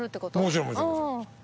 もちろんもちろん。